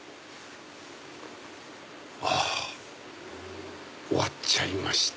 あ終わっちゃいました。